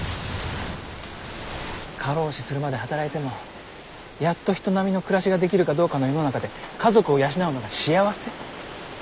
過労死するまで働いてもやっと人並みの暮らしができるかどうかの世の中で家族を養うのが幸せ？